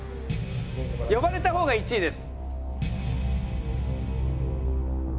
呼ばれた方が１位です。